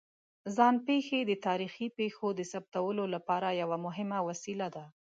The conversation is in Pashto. ځان پېښې د تاریخي پېښو د ثبتولو لپاره یوه مهمه وسیله ده.